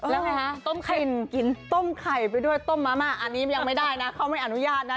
แล้วต้มไข่ไปด้วยต้มมะมะอันนี้ยังไม่ได้นะเขาไม่อนุญาตนะ